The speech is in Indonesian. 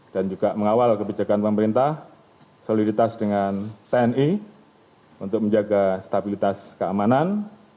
dan juga mengawal kebijakan pemerintah soliditas dengan tni untuk menjaga stabilitas keamanan